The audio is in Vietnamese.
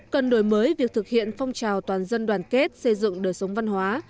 cần đổi mới việc thực hiện phong trào toàn dân đoàn kết xây dựng đời sống văn hóa